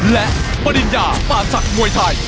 และปริญญาปาสักมวยไทย